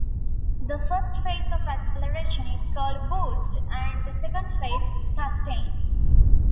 The first phase of acceleration is called "boost" and the second phase "sustain".